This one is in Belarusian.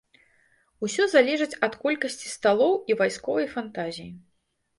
Усё залежыць ад колькасці сталоў і вайсковай фантазіі.